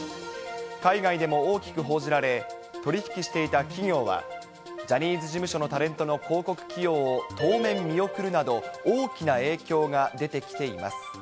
海外でも大きく報じられ、取り引きしていた企業は、ジャニーズ事務所のタレントの広告起用を当面見送るなど、大きな影響が出てきています。